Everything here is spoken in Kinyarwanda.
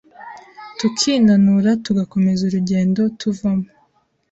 tukinanura tugakomeza urugendo tuvamo,